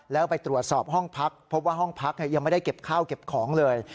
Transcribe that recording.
แล้วไปตรวจสอบห้องพักพบว่าห้องพักยังไม่ได้เก็บข้าวเก็บของเลย